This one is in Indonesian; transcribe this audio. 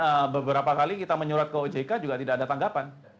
karena beberapa kali kita menyurat ke ojk juga tidak ada tanggapan